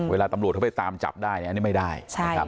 เวลาตำรวจเข้าไปตามจับได้นี่ไม่ได้